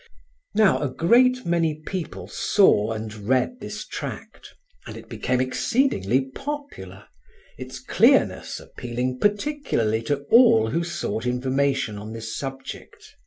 Now, a great many people saw and read this tract, and it became exceedingly popular, its clearness appealing particularly to all who sought information on this subject.